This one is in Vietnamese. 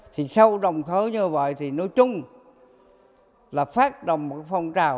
thì sau đồng khởi như vậy thì nói chung là phát động một phong trào